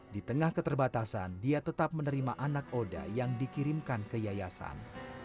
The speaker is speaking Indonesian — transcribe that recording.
di tengah keterbatasan dia tetap menerima anak oda yang dikirimkan ke yayasan